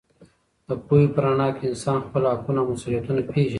د پوهې په رڼا کې انسان خپل حقونه او مسوولیتونه پېژني.